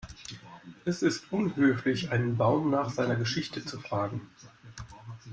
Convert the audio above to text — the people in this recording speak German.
Es ist unhöflich, einen Baum nach seiner Geschichte zu fragen.